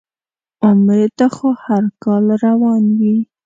عمرې ته خو هر کال روان وي.